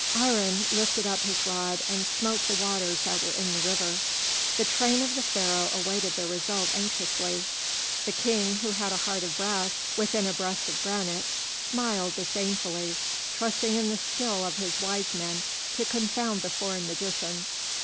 Aharon lifted up his rod and smote the waters that were in the river. The train of the Pharaoh awaited the result anxiously. The King, who had a heart of brass within a breast of granite, smiled disdainfully, trusting in the skill of his wise men to confound the foreign magicians.